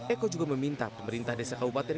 eko juga meminta pemerintah desa kabupaten